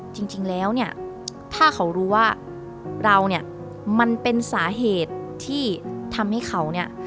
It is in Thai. จริงแล้วเนี่ยถ้าเขารู้ว่าเราเนี่ยมันเป็นสาเหตุที่ทำให้เขาเนี่ย